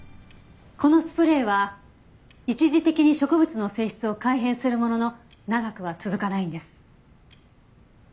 このスプレーは一時的に植物の性質を改変するものの長くは続かないんです。